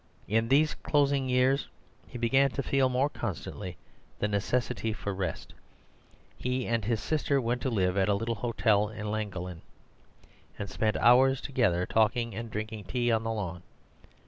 In these closing years he began to feel more constantly the necessity for rest. He and his sister went to live at a little hotel in Llangollen, and spent hours together talking and drinking tea on the lawn.